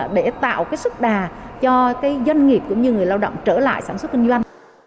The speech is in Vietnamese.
để tạo sức đà cho doanh nghiệp cũng như người lao động trở lại sản xuất kinh doanh